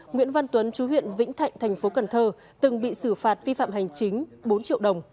nguyễn văn tuấn chú huyện vĩnh thạnh thành phố cần thơ từng bị xử phạt vi phạm hành chính bốn triệu đồng